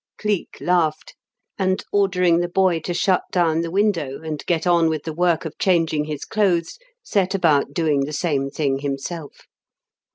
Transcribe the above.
Cleek laughed; and, ordering the boy to shut down the window and get on with the work of changing his clothes, set about doing the same thing himself.